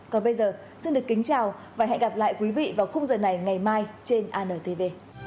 còn bây giờ xin được kính chào và hẹn gặp lại quý vị vào khung giờ này ngày mai trên antv